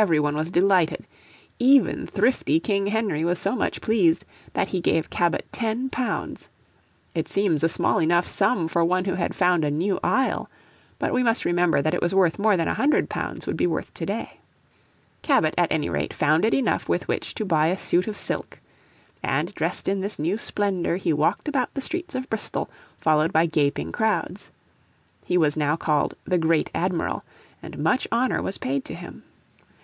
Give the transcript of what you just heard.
Every one was delighted. Even thrifty King Henry was so much pleased that he gave Cabot £10. It seems a small enough sum for one who had found "a new isle." But we must remember that it was worth more than £100 would be worth today. Cabot at any rate found it enough with which to buy a suit of silk. And dressed in this new splendour he walked about the streets of Bristol followed by gaping crowds. He was now called the Great Admiral, and much honour was paid to him.